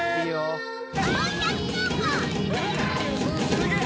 すげえ！